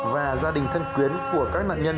và gia đình thân quyến của các nạn nhân